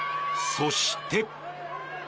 そして。